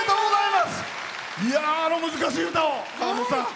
あの難しい歌を。